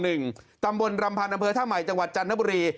อยู่บนรำพาณอำเภอท่าใหม่จังหวัดจันทบุรี